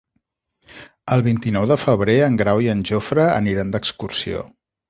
El vint-i-nou de febrer en Grau i en Jofre aniran d'excursió.